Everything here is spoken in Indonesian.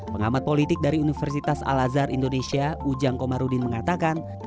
pengamat politik dari universitas al azhar indonesia ujang komarudin mengatakan